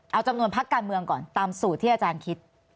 เอาจำนวนพักการเมืองก่อนตามสูตรที่อาจารย์คิด